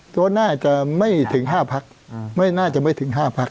ตัวน่าจะไม่ถึง๕พักไม่น่าจะไม่ถึง๕พัก